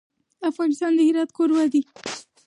افغانستان د هرات کوربه دی.